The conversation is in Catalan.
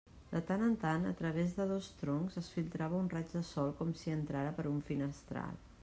De tant en tant, a través de dos troncs es filtrava un raig de sol com si entrara per un finestral.